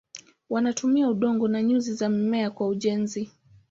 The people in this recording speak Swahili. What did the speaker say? Wanatumia udongo na nyuzi za mimea kwa ujenzi.